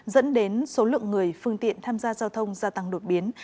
dẫn đến số lượng người phương tiện tham gia giao thông gia tăng đột biến